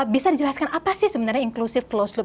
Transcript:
bisa dijelaskan apa sih sebenarnya inklusif closed loop